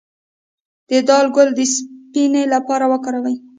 د دال ګل د سینې لپاره وکاروئ